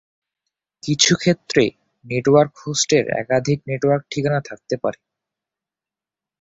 কিছু ক্ষেত্রে, নেটওয়ার্ক হোস্টের একাধিক নেটওয়ার্ক ঠিকানা থাকতে পারে।